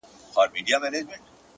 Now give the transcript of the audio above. چي توري څڼي پرې راوځړوې-